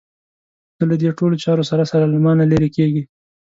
ته له دې ټولو چارو سره سره له مانه لرې کېږې.